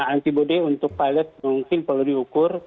antibody untuk pilot mungkin perlu diukur